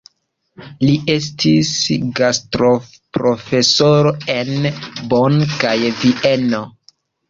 Li estis gastoprofesoro en Bonn kaj Vieno.